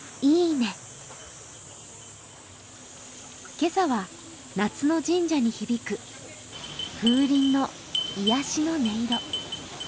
今朝は、夏の神社に響く風鈴の癒やしの音色。